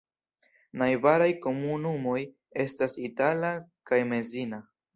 Najbaraj komunumoj estas Itala kaj Messina.